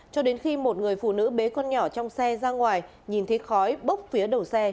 cho đến khi một người phụ nữ bế con nhỏ trong xe ra ngoài nhìn thấy khói bốc phía đầu xe